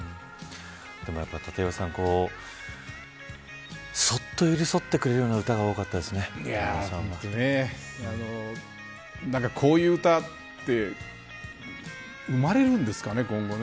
立岩さん、そっと寄り添ってくれる歌がこういう歌って今後、生まれるんですかね。